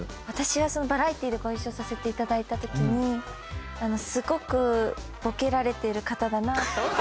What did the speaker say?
私はバラエティーでご一緒させていただいたときにすごくボケられてる方だなと。